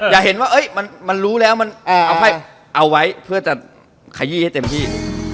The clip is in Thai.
อย่าเห็นว่ามันรู้แล้วมันเอาไว้เพื่อจะขยี้ให้เต็มที่